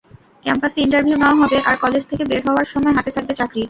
ক্যাম্পাসে ইন্টারভিউ নেওয়া হবে আর কলেজ থেকে বের হওয়ার সময় হাতে থাকবে চাকরি।